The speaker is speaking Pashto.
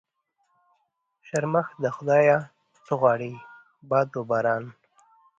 شرمښ د خدا يه څه غواړي ؟ باد و باران.